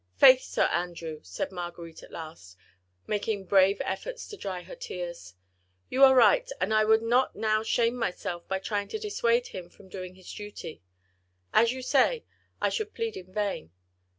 "Faith, Sir Andrew," said Marguerite at last, making brave efforts to dry her tears, "you are right, and I would not now shame myself by trying to dissuade him from doing his duty. As you say, I should plead in vain.